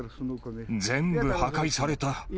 全部破壊された。